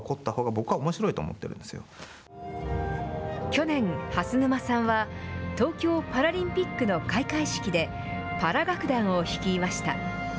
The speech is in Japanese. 去年、蓮沼さんは、東京パラリンピックの開会式で、パラ楽団を率いました。